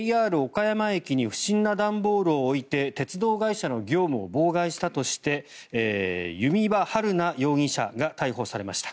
岡山駅に不審な段ボールを置いて鉄道会社の業務を妨害したとして弓場晴菜容疑者が逮捕されました。